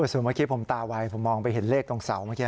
ส่วนเมื่อกี้ผมตาไวผมมองไปเห็นเลขตรงเสาเมื่อกี้